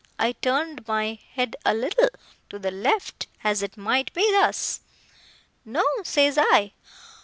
I turned my head a little to the left, as it might be—thus. No, says I.